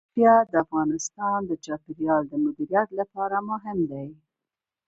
پکتیا د افغانستان د چاپیریال د مدیریت لپاره مهم دي.